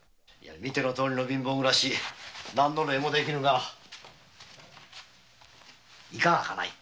見てのとおりの貧乏ぐらし何の礼もできぬがいかがかな一献。